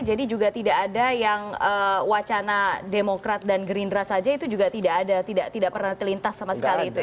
jadi juga tidak ada yang wacana demokrat dan gerindra saja itu juga tidak ada tidak pernah terlintas sama sekali itu ya